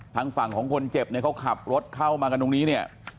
ทางฝั่งของคนเจ็บเนี่ยเขาขับรถเข้ามากันตรงนี้เนี่ย